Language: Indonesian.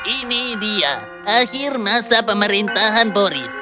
ini dia akhir masa pemerintahan boris